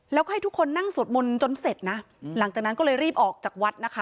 แล้วก็ให้ทุกคนนั่งสวดมนต์จนเสร็จนะหลังจากนั้นก็เลยรีบออกจากวัดนะคะ